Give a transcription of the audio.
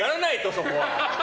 そこは！